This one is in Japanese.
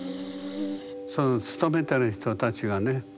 その勤めてる人たちはね